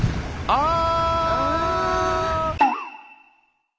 あ！